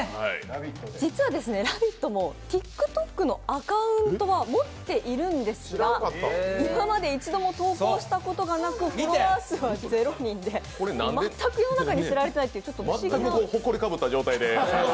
実は「ラヴィット！」もＴｉｋＴｏｋのアカウントは持っているんですが今まで一度も投稿したことがなくフォロワー数は０人で全く世の中に知られていないという。